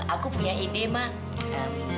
aku punya ide mak